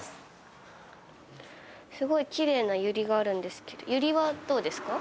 すごいきれいなユリがあるんですけどユリはどうですか？